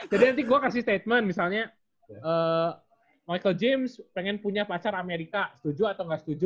jadi nanti gua kasih statement misalnya michael james pengen punya pacar amerika setuju atau ga setuju